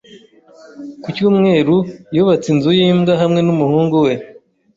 Ku cyumweru, yubatse inzu y’imbwa hamwe n’umuhungu we.